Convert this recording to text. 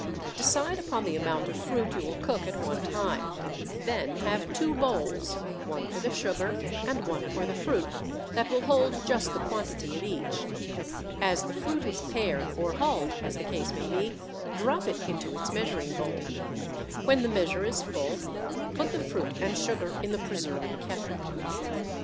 Decide upon the amount of fruit you will cook at one time, then have two bowls one for the sugar and one for the fruit that will hold just the quantity of each. As the fruit is pared or hulled, as the case may be, drop it into its measuring bowl. When the measure is full put the fruit and sugar in the preserving kettle.